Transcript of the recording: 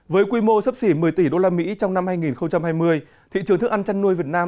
với quy mô sấp xỉ một mươi tỷ usd trong năm hai nghìn hai mươi thị trường thức ăn chăn nuôi việt nam